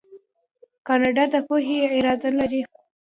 کاناډا د پوهنې اداره لري.